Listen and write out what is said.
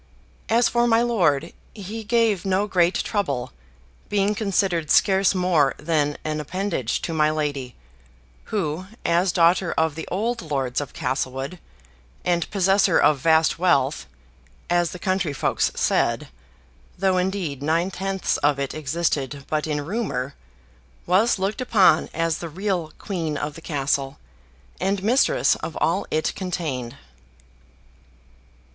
As for my lord, he gave no great trouble, being considered scarce more than an appendage to my lady, who, as daughter of the old lords of Castlewood, and possessor of vast wealth, as the country folks said (though indeed nine tenths of it existed but in rumor), was looked upon as the real queen of the Castle, and mistress of all it contained.